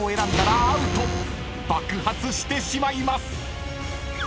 ［爆発してしまいます］